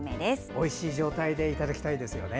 おいしい状態でいただきたいですよね。